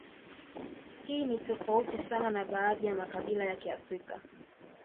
Hii ni tofauti sana na baadhi ya makabila ya Kiafrika